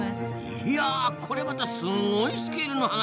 いやこりゃまたすごいスケールの話ですな。